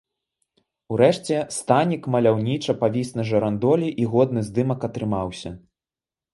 Урэшце, станік маляўніча павіс на жырандолі і годны здымак атрымаўся.